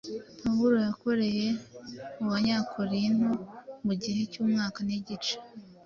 Pawulo yakoreye mu Banyakorinto mu gihe cy’umwaka n’igice,